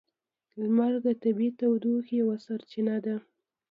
لمر د طبیعی تودوخې یوه سرچینه ده.